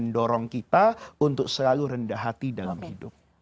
dan mendorong kita untuk selalu rendah hati dalam hidup